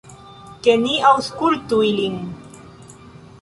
Ke ni aŭskultu ilin.